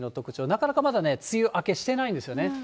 なかなかまだね、梅雨明けしていないんですよね。